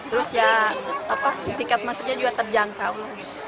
terus ya tiket masuknya juga terjangkau